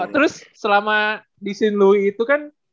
terus selama di sine louis itu kan